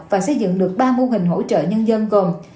và xây dựng được ba mô hình hỗ trợ nhân dân gồm